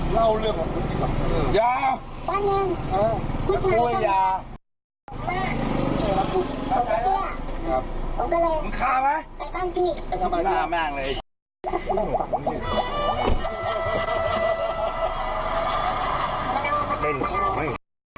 มึงฆ่าไหมมึงฆ่าแม่งเลย